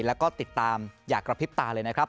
แล้วก็ติดตามอย่ากระพริบตาเลยนะครับ